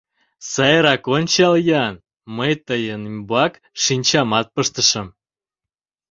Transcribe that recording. Сайрак ончал-ян, мый тыйын ӱмбак шинчамат пыштышым.